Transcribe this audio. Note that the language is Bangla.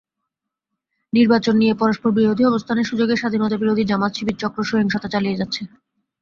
নির্বাচন নিয়ে পরস্পরবিরোধী অবস্থানের সুযোগে স্বাধীনতাবিরোধী জামায়াত-শিবির চক্র সহিংসতা চালিয়ে যাচ্ছে।